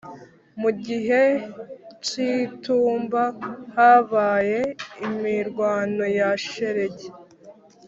mu gihe c'itumba, habaye imirwano ya shelegi